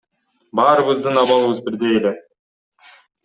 Баарыбыздын абалыбыз бирдей эле.